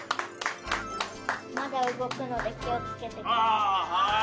まだ動くので気を付けてください。